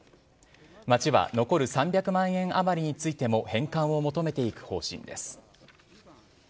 町は残る３００万円余りについても返還を求めていく方針です。